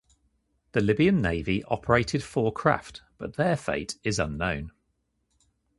The Libyan Navy operated four craft but their fate is unknown.